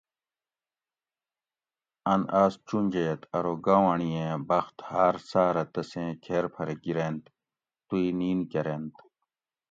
ان آس چونجیت اروگاونڑییٔن بخت ہاۤر ساۤرہ تسیں کھیر پھر گیرینت تو ئ نیِن کۤرینت